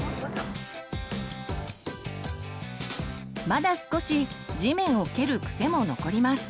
まだ少し地面を蹴る癖も残ります。